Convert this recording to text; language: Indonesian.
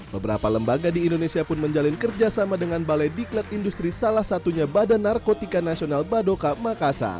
beberapa lembaga di indonesia pun menjalin kerjasama dengan balai diklat industri salah satunya badan narkotika nasional badoka makassar